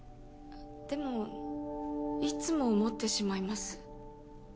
でもいつも思ってしまいます。